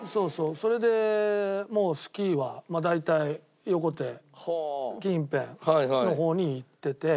それでもうスキーは大体横手近辺の方に行ってて。